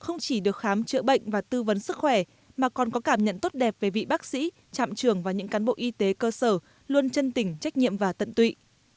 không chỉ được khám chữa bệnh và tư vấn sức khỏe mà còn có cảm nhận tốt đẹp về vị bác sĩ trạm trường và những cán bộ y tế cơ sở luôn chân tỉnh trách nhiệm và tận tụy